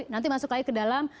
nanti masuk lagi ke dalam